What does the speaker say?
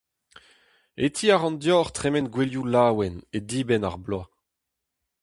Hetiñ ar ran deoc'h tremen gouelioù laouen e dibenn ar bloaz.